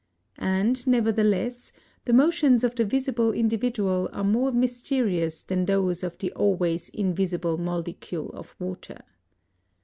And, nevertheless, the motions of the visible individual are more mysterious than those of the always invisible molecule of water.